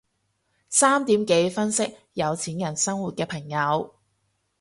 三點幾分析有錢人生活嘅朋友